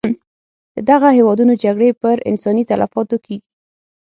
د دغه هېوادونو جګړې پر انساني تلفاتو کېږي.